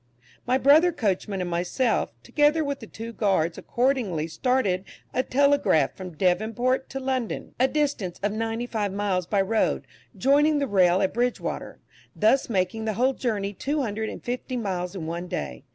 My brother coachman and myself, together with the two guards, accordingly started a "Telegraph" from Devonport to London, a distance of ninety five miles by road, joining the rail at Bridgewater, thus making the whole journey two hundred and fifty miles in one day.